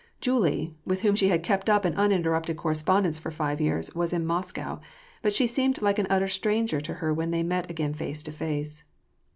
Julie, with whom she had kept up an uninterrupted corre spondence for five years, was in Moscow, but she seemed like an utter stranger to her when they met again face to face.